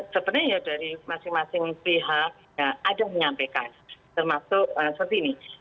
sebenarnya ya dari masing masing pihak ada yang menyampaikan termasuk seperti ini